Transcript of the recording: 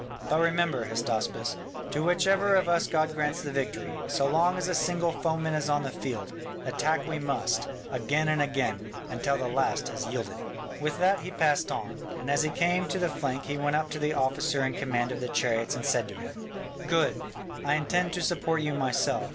But remember, Hystaspas, to which ever of us God grants the victory, so long as a single foeman is on the field, attack we must, again and again, until the last has yielded." With that he passed on, and as he came to the flank he went up to the officer in command of the chariots and said to him: "Good, I intend to support you myself.